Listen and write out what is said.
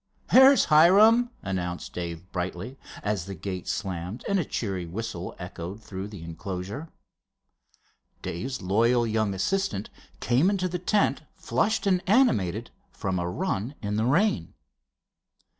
"There's Hiram," announced Dave, brightly, as the gate slammed and a cheery whistle echoed through the enclosure. Dave's loyal young assistant came into the tent flushed and animated from a run in the rain.